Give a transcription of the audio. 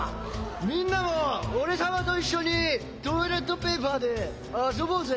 みんなもオレさまといっしょにトイレットペーパーであそぼうぜ。